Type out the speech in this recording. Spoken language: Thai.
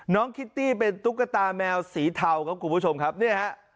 คิตตี้เป็นตุ๊กตาแมวสีเทาครับคุณผู้ชมครับเนี่ยฮะ